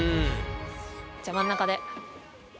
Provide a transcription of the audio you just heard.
じゃあ真ん中で。